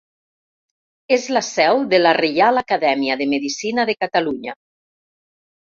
És la seu de la Reial Acadèmia de Medicina de Catalunya.